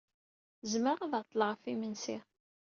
Zemreɣ ad ɛeṭṭleɣ ɣef yimensi.